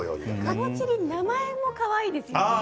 カボチリ名前もかわいいですね